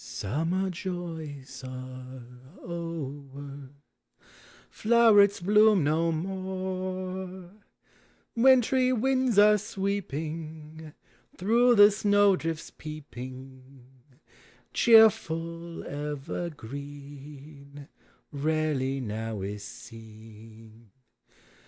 Summer joys are o'er; Flowerets bloom no more, Wintry winds are sweeping; Through the snow drifts peeping, Cheerful evergreen Rarely now is seen.